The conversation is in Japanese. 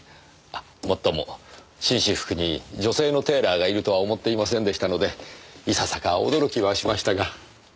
もっとも紳士服に女性のテーラーがいるとは思っていませんでしたのでいささか驚きはしましたが。